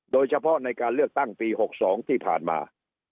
โดยเฉพาะในการเลือกตั้งปี๖๒ที่ผ่านมา